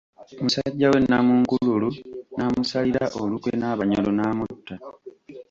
Musajja we Nnamunkululu n'amusalira olukwe n'Abanyoro n'amutta.